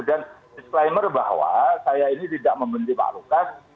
dan disclaimer bahwa saya ini tidak membenci pak lukas